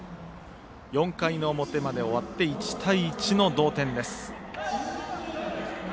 ４回の表まで終わって１対１の同点です。